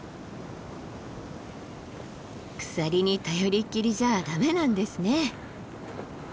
鎖に頼りっきりじゃ駄目なんですね。